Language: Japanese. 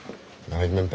大丈夫？